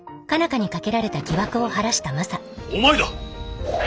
花にかけられた疑惑を晴らしたマサお前だ！